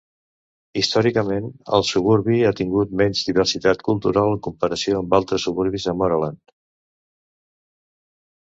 Històricament, el suburbi ha tingut menys diversitat cultural, en comparació amb altres suburbis a Moreland.